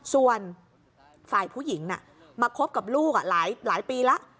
ส่วนฝ่ายผู้หญิงน่ะมาคบกับลูกอ่ะหลายหลายปีแล้ว